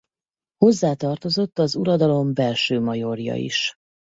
Hozzá tartozott az uradalom belső majorja is.